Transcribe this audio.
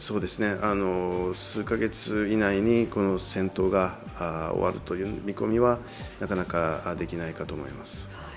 数カ月以内にこの戦闘が終わるという見込みはなかなかできないかと思います。